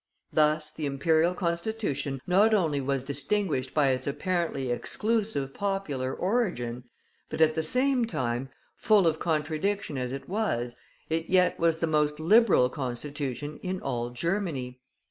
Thus the Imperial Constitution not only was distinguished by its apparently exclusive popular origin, but at the same time, full of contradiction as it was, it yet was the most Liberal Constitution in all Germany.